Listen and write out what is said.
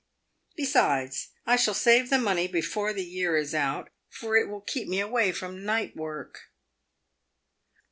Besides, I shall save the money before the year is out, for it will keep me away from night work."